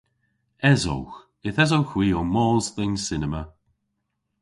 Esowgh. Yth esowgh hwi ow mos dhe'n cinema.